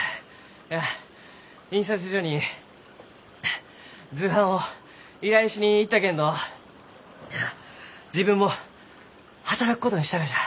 あ印刷所に図版を依頼しに行ったけんど自分も働くことにしたがじゃ。